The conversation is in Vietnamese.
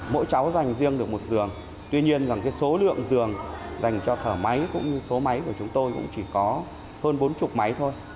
mỗi cháu dành riêng được một giường tuy nhiên số lượng giường dành cho thở máy cũng như số máy của chúng tôi cũng chỉ có hơn bốn mươi máy thôi